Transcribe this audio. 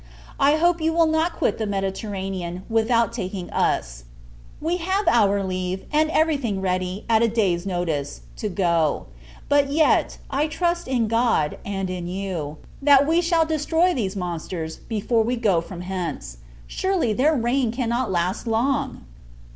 I hope you will not quit the Mediterranean, without taking us. We have our leave, and every thing ready, at a day's notice, to go: but yet, I trust in God, and you, that we shall destroy those monsters, before we go from hence. Surely, their reign cannot last long!